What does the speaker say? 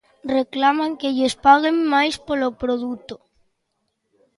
Reclaman que lles paguen máis polo produto.